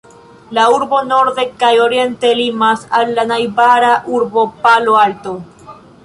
La urbo norde kaj oriente limas al la najbara urbo Palo Alto.